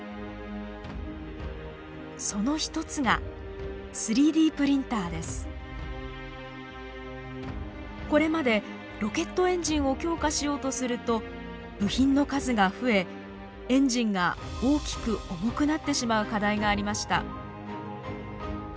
その一つがこれまでロケットエンジンを強化しようとすると部品の数が増えエンジンが大きく重くなってしまう課題がありました。